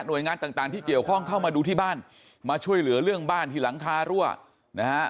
โดยงานต่างต่างที่เกี่ยวข้องเข้ามาดูที่บ้านมาช่วยเหลือเรื่องบ้านที่หลังคารั่วนะฮะ